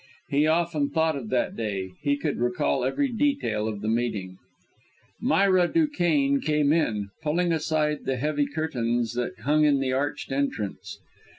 He often thought of that day; he could recall every detail of the meeting Myra Duquesne came in, pulling aside the heavy curtains that hung in the arched entrance.